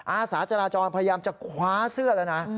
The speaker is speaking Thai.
อาสาจราจรพยายามจะคว้าเสื้อแล้วนะ